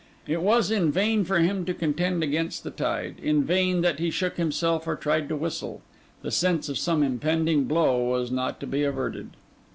It was in vain for him to contend against the tide; in vain that he shook himself or tried to whistle: the sense of some impending blow was not to be averted.